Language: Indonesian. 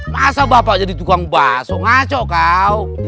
masa bapak jadi tukang bakso ngaco